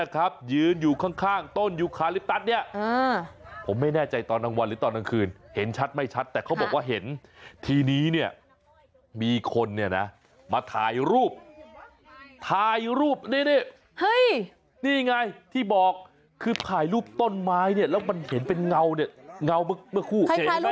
คือขายรูปต้นไม้เนี่ยแล้วมันเห็นเป็นเงาเนี่ยเงาเมื่อคู่